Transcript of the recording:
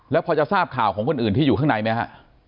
แล้วพอจะทราบข่าวของคนอื่นที่อยู่ข้างในไหมฮะ